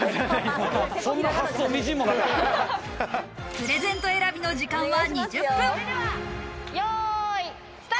プレゼント選びの時間は２０分。